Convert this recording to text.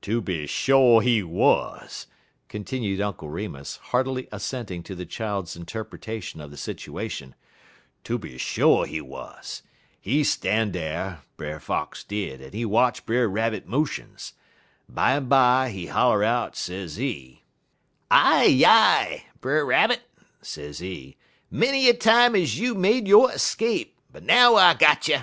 "Tooby sho' he wuz," continued Uncle Remus, heartily assenting to the child's interpretation of the situation: "tooby sho' he wuz. He stan' dar, Brer Fox did, en he watch Brer Rabbit motions. Bimeby he holler out, sezee: "'Ah yi! Brer Rabbit!' sezee. 'Many a time is you made yo' 'scape, but now I got you!'